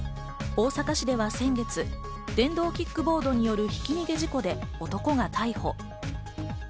大阪市では先月、電動キックボードによるひき逃げ事故で男が逮捕。